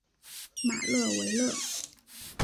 马勒维勒。